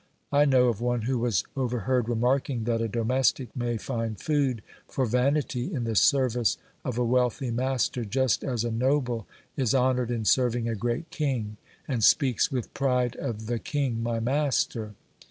I know of one who was overheard remarking that a domestic may find food for vanity in the service of a wealthy master just as a noble is honoured in serving a great king, and speaks with pride of the king, my master.